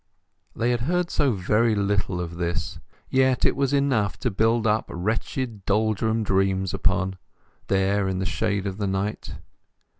They had heard so very little of this; yet it was enough to build up wretched dolorous dreams upon, there in the shade of the night.